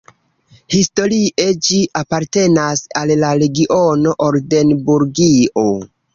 Historie ĝi apartenas al la regiono Oldenburgio.